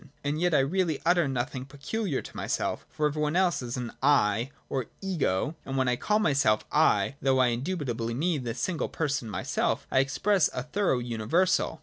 And yet I really utter nothing peculiar to myself, for every one else is an ' I ' or ' Ego,' and when I call my self ' I,' though I indubitably mean the single person myself, I express a thorough universal.